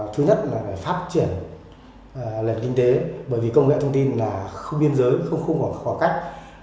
thứ nhất là phát triển lệnh kinh tế bởi vì công nghệ thông tin là khu biên giới không có khó khách